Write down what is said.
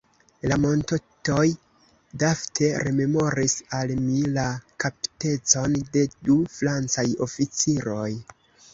La montetoj Dafne rememoris al mi la kaptitecon de du Francaj oficiroj.